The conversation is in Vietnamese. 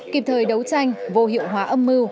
kịp thời đấu tranh vô hiệu hóa âm mưu